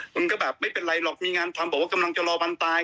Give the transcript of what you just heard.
แล้วก็ไม่เป็นไรหรอกว่ามีงานทำแล้วว่ากำลังจะรอวันตาย